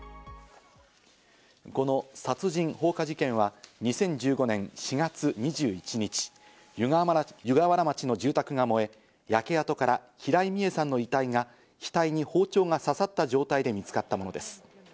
この殺人放火事件は２０１５年４月２１日、湯河原町の住宅が燃え、焼け跡から平井美江さんの遺体が額に包丁が刺さった状態で見つかったものです。